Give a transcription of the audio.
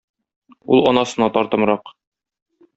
Ул анасына тартымрак...